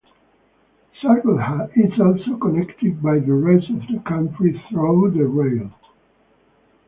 Sargodha is also connected by the rest of the country through the rail.